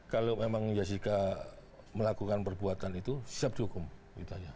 kalau memang jessica melakukan perbuatan itu siap dihukum gitu aja